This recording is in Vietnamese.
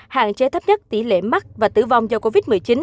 hạn chế thấp nhất tỷ lệ mắc và tử vong do covid một mươi chín